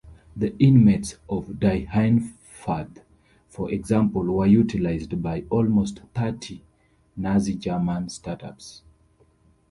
The inmates of "Dyhernfurth" for example, were utilized by almost thirty Nazi German startups.